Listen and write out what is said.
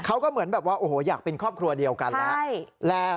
เขาก็เหมือนแบบว่าโอ้โหอยากเป็นครอบครัวเดียวกันแล้ว